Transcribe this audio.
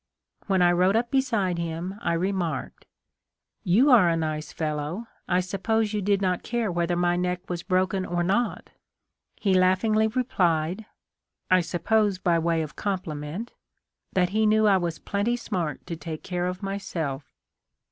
When I rode up beside him, I remarked, ' You are a nice fellow ! I suppose you did not care whether my neck was broken or not.' He laugh ingly replied (I suppose by way of compliment), that he knew I was plenty smart to take care of my self.